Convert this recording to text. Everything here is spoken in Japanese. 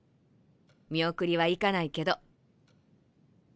見送りは行かないけど。